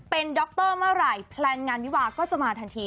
เป็นดรเมื่อไหร่แพลนงานวิวาก็จะมาทันที